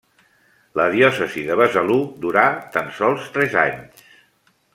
La diòcesi de Besalú durà tan sols tres anys.